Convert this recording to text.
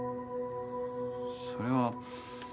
それは。